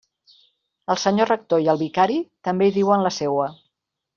El senyor rector i el vicari també hi diuen la seua.